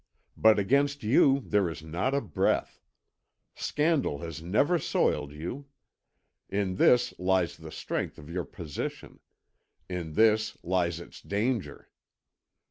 But against you there is not a breath; scandal has never soiled you. In this lies the strength of your position in this lies its danger.